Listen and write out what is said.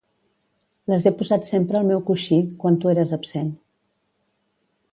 —Les he posat sempre al meu coixí, quan tu eres absent